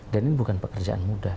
dan ini bukan pekerjaan mudah